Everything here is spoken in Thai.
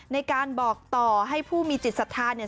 ในการบอกต่อให้ผู้มีจิตศรัทธาเนี่ย